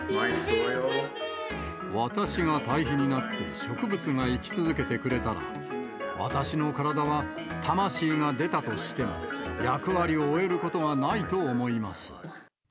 私が堆肥になって植物が生き続けてくれたら、私の体は魂が出たとしても、役割を終えることがないと思います。